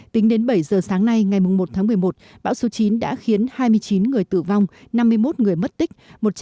tính đến bảy giờ sáng nay ngày một tháng một mươi một bão số chín đã khiến hai mươi chín người tử vong năm mươi một người mất tích